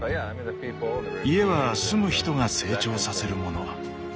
家は住む人が成長させるもの。